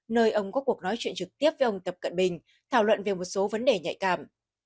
nơi ông có cuộc nói chuyện trực tiếp với ông tập cận bình thảo luận về một số vấn đề nhạy cảm